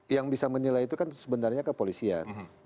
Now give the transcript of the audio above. yang bisa menilai itu kan sebenarnya kepolisian